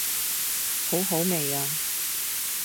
好好味呀